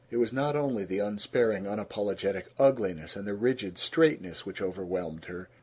It was not only the unsparing unapologetic ugliness and the rigid straightness which overwhelmed her.